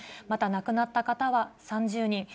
また亡くなった方は３０人。